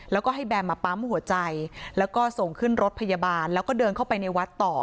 แล้วก็ให้แบมมาปั๊มหัวใจแล้วก็ส่งขึ้นรถพยาบาลแล้วก็เดินเข้าไปในวัดต่อ